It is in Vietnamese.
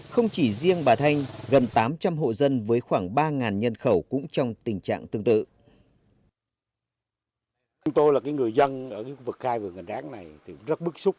không chỉ riêng bà thanh gần tám trăm linh hộ dân với khoảng ba nhân khẩu cũng trong tình trạng tương tự